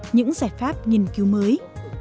những giải pháp nghiên cứu mới